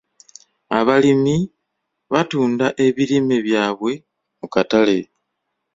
Abalimi batunda ebirime byabwe mu katale.